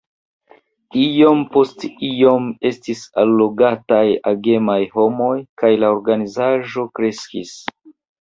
Iom post iom estis allogataj agemaj homoj, kaj la organizaĵo kreskis.